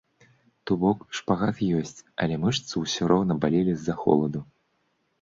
То бок, шпагат ёсць, але мышцы ўсё роўна балелі з-за холаду.